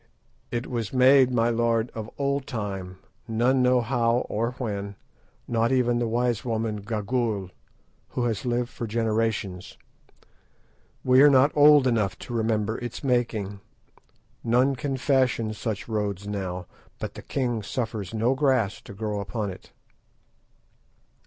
"It was made, my lord, of old time, none know how or when, not even the wise woman Gagool, who has lived for generations. We are not old enough to remember its making. None can fashion such roads now, but the king suffers no grass to grow upon it."